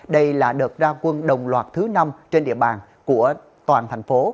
đây là đợt ra quân đồng loạt thứ năm trên địa bàn của toàn thành phố